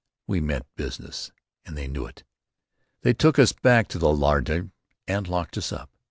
We meant business and they knew it. They took us back to the laager and locked us up.